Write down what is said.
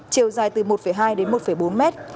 chiều dài từ một hai đến một bốn mét